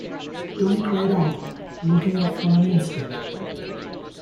Tony cried out, looking up for an instant.